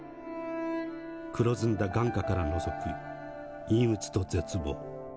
黒ずんだ眼窩からのぞく陰鬱と絶望。